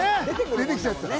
出て来ちゃったか。